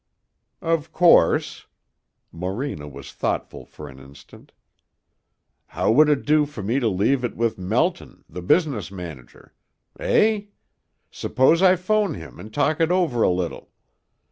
"Of course " Morena was thoughtful for an instant. "How would it do for me to leave it with Melton, the business manager? Eh? Suppose I phone him and talk it over a little.